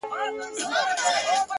او په تصوير كي مي _